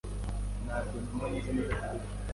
Ntabwo numva meze neza kurwego.